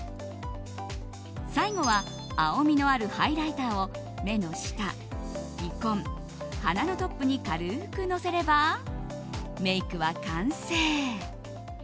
最後は青みのあるハイライターを目の下、鼻根、鼻のトップに軽くのせればメイクは完成。